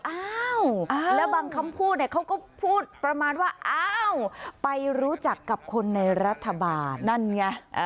อ้าวแล้วบางคำพูดเนี่ยเขาก็พูดประมาณว่าอ้าวไปรู้จักกับคนในรัฐบาลนั่นไง